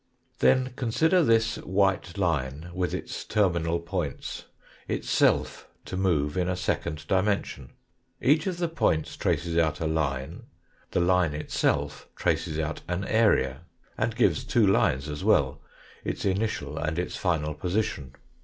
Then consider this white line with its terminal points itself to move in a second dimension, each of the points traces out a line, the line itself traces out an area, and gives two lines as well, its initial and its final position.